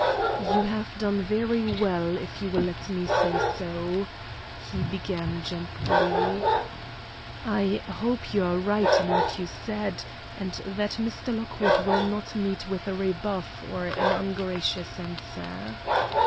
"You have done very well, if you will let me say so," he began, gently. "I hope you are right in what you said, and that Mr. Lockwood will not meet with a rebuff or an ungracious answer.